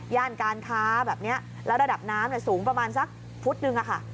การค้าแบบนี้แล้วระดับน้ำสูงประมาณสักฟุตนึงอะค่ะ